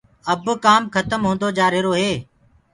اب ڪو کتم هوندو جآرهيرو هي۔